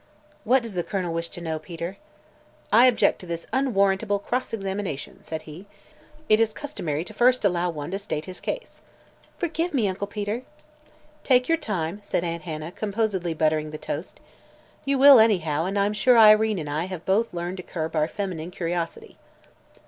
"What does the Colonel wish to know, Peter?" "I object to this unwarrantable cross examination," said he. "It is customary to first allow one to state his case." "Forgive me, Uncle Peter!" "Take your time," said Aunt Hannah, composedly buttering the toast. "You will, anyhow, and I'm sure Irene and I have both learned to curb our feminine curiosity."